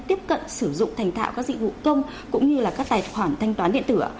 tiếp cận sử dụng thành tạo các dịch vụ công cũng như là các tài khoản thanh toán điện tử ạ